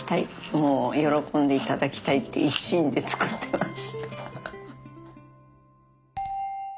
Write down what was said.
もう喜んでいただきたいっていう一心で作ってます。